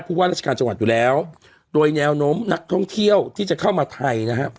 ว่าราชการจังหวัดอยู่แล้วโดยแนวโน้มนักท่องเที่ยวที่จะเข้ามาไทยนะครับ